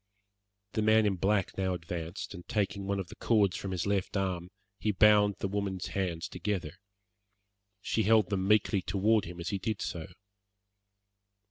The man in black now advanced, and taking one of the cords from his left arm, he bound the woman's hands together. She held them meekly toward him as he did so.